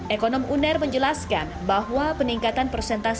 ekonom uner menjelaskan bahwa peningkatan persentase